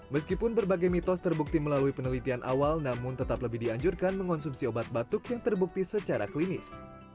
meskipun berbagai mitos terbukti melalui penelitian awal namun tetap lebih dianjurkan mengonsumsi obat batuk yang terbukti secara klinis